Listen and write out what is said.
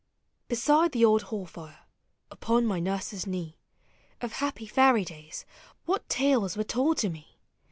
Beside the old hall lire upon my nurse's knee. Of happy fairy days — what tales were told to me!